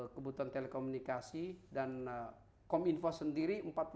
kebutuhan telekomunikasi dan kom info sendiri